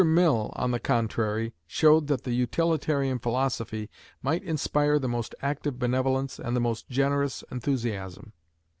Mill, on the contrary, showed that the utilitarian philosophy might inspire the most active benevolence and the most generous enthusiasm.